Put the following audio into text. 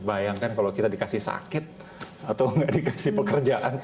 bayangkan kalau kita dikasih sakit atau nggak dikasih pekerjaan